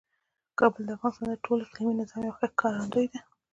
کابل د افغانستان د ټول اقلیمي نظام یو ښه ښکارندوی دی.